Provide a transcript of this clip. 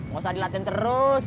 gak usah dilatih terus